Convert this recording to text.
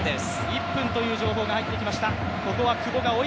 １分という情報が入ってきました。